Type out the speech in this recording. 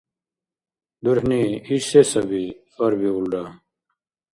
— ДурхӀни, иш се саби? — хьарбиулра.